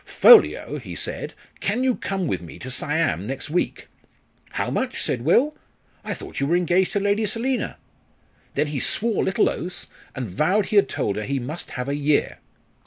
'Ffolliot,' he said, 'can you come with me to Siam next week?' 'How much?' said Will. 'I thought you were engaged to Lady Selina.' Then he swore little oaths, and vowed he had told her he must have a year.